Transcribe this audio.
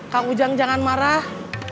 kang ujang jangan marah